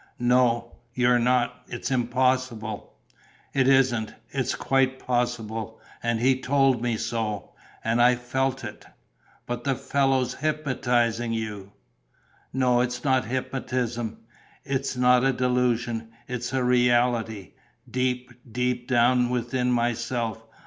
"No, you're not. It's impossible!" "It isn't. It's quite possible. And he told me so ... and I felt it...." "But the fellow's hypnotizing you!" "No, it's not hypnotism. It's not a delusion: it's a reality, deep, deep down within myself.